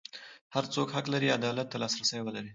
هر څوک حق لري عدالت ته لاسرسی ولري.